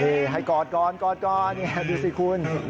นี่ให้กอดก่อนกอดก่อนดูสิคุณ